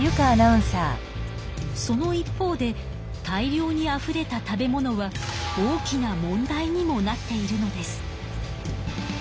その一方で大量にあふれた食べ物は大きな問題にもなっているのです。